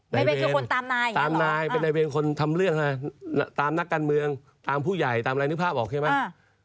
ในเวตเป็นในเวตคนทำเรื่องค่ะตามนักการเมืองตามผู้ใหญ่ตามรายนิทธิภาพออกเขียวไหม